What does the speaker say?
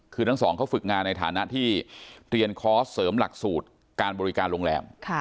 คือทั้งสองเขาฝึกงานในฐานะที่เรียนคอร์สเสริมหลักสูตรการบริการโรงแรม